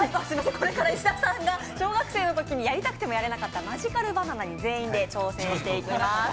これから石田さんが小学生のときにやりたくてもやれなかったマジカルバナナに全員で挑戦していきます。